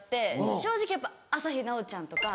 正直やっぱ朝日奈央ちゃんとか。